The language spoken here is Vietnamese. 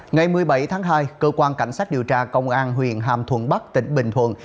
ngày một mươi bảy tháng hai cơ quan cảnh sát điều tra công an huyện hàm thuận bắc tỉnh bình thuận